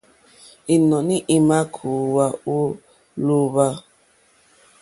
Ínɔ̀ní ímà kòówá ô lǒhwà.